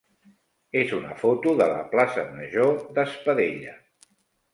és una foto de la plaça major d'Espadella.